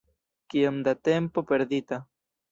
Kiom da tempo perdita!